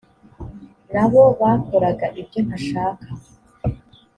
na bo bakoraga ibyo ntashaka